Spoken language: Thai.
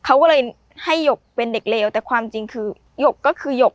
เขาก็เลยให้หยกเป็นเด็กเลวแต่ความจริงคือหยกก็คือหยก